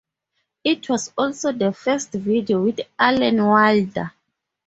It was also the first video with Alan Wilder.